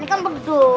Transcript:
ini kan begdung